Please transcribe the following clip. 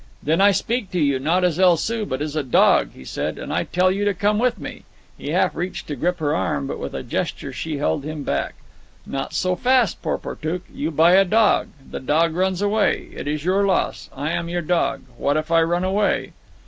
"Then I speak to you, not as El Soo, but as a dog," he said; "and I tell you to come with me." He half reached to grip her arm, but with a gesture she held him back. "Not so fast, Porportuk. You buy a dog. The dog runs away. It is your loss. I am your dog. What if I run away?"